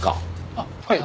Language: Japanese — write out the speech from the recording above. あっはい。